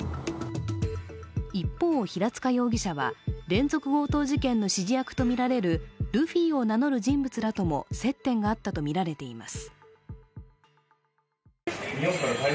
一方、平塚容疑者は連続強盗事件の指示役とみられるルフィを名乗る人物らとも接点があったとみられています。